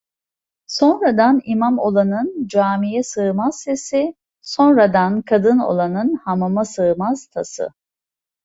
Sonradan imam olanın camiye sığmaz sesi; sonradan kadın olanın hamama sığmaz tası.